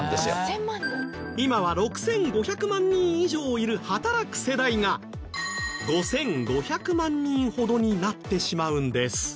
今は６５００万人以上いる働く世代が５５００万人ほどになってしまうんです。